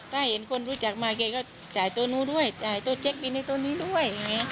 ถ้าเห็นคนรู้จักมาแกก็จ่ายตัวนู้นด้วยจ่ายตัวเช็คบินในตัวนี้ด้วยอย่างนี้